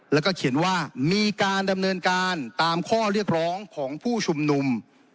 แล้วก็เขียนว่ามีการดำเนินการตามข้อเรียกร้องของผู้ชุมนุม